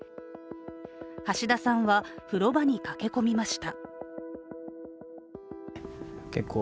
橋田さんは、風呂場に駆け込みました。